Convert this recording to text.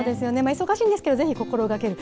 忙しいですけど、ぜひ心がける。